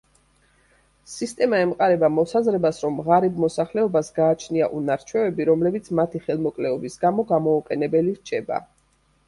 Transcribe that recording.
სისტემა ემყარება მოსაზრებას, რომ ღარიბ მოსახლეობას გააჩნია უნარ-ჩვევები, რომლებიც მათი ხელმოკლეობის გამო გამოუყენებელი რჩება.